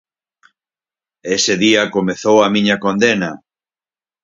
Ese día comezou a miña condena!